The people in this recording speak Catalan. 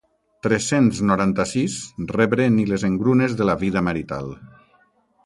Tres-cents noranta-sis rebre ni les engrunes de la vida marital.